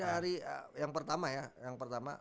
dari yang pertama ya